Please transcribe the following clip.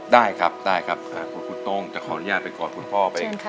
ได้ครับได้ครับคุณโต้งจะขออนุญาตไปกอดคุณพ่อไป